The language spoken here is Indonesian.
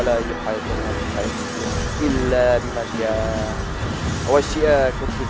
jeruk tahapim meja berwarna kunyit